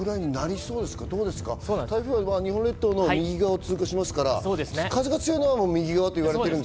台風、日本列島の右側を通過しますから、風が強いのは右側と言われています。